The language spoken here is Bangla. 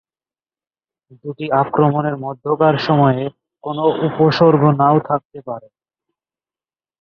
দুটি আক্রমণের মধ্যকার সময়ে কোন উপসর্গ নাও থাকতে পারে।